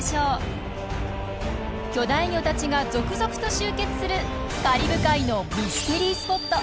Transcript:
巨大魚たちが続々と集結するカリブ海のミステリースポット。